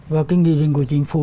và cái nghị định của chính phủ